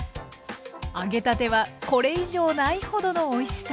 揚げたてはこれ以上ないほどのおいしさ。